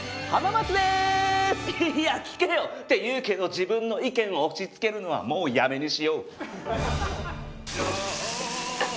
いや聞けよ！って言うけど自分の意見を押しつけるのはもうやめにしよう。